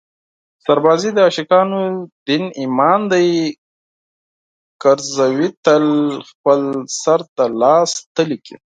سربازي د عاشقانو دین ایمان دی ګرزوي تل خپل سر د لاس تلي کې